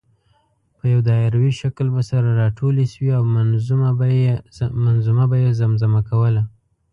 په یو دایروي شکل به سره راټولې شوې او منظومه به یې زمزمه کوله.